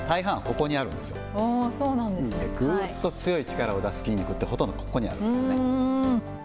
ぐーっと強い力を出す筋肉ってほとんどここにあるんですよね。